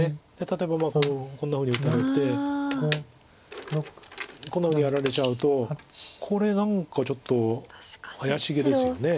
例えばまあこんなふうに打たれてこんなふうにやられちゃうとこれ何かちょっと怪しげですよね。